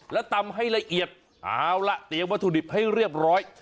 แล้วตำให้ละเอียดเอาล่ะเตรียมวัตถุดิบให้เรียบร้อย